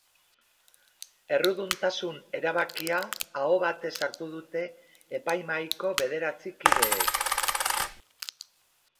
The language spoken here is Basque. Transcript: Erruduntasun erabakia aho batez hartu dute epaimahaiko bederatzi kideek.